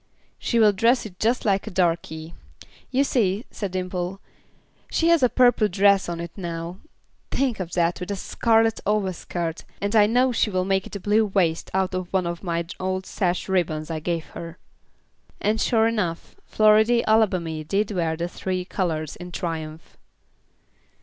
"She will dress it just like a darkey. You see," said Dimple, "she has a purple dress on it now; think of that, with a scarlet overskirt; and I know she will make it a blue waist out of one of my old sash ribbons I gave her." And sure enough, Floridy Alabamy did wear the three colors in triumph.